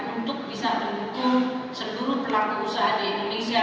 untuk bisa mendukung seluruh pelaku usaha di indonesia